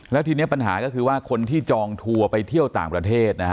แล้วทีนี้ปัญหาก็คือว่าคนที่จองทัวร์ไปเที่ยวต่างประเทศนะฮะ